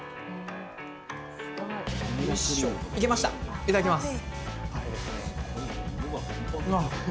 いただきます。